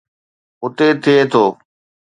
اتي ٿئي ٿو.